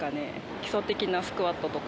基礎的なスクワットとか。